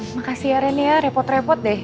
makasih ya randy ya repot repot deh